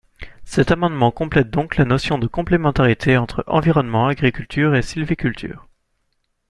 Cet amendement complète donc la notion de complémentarité entre environnement, agriculture et sylviculture.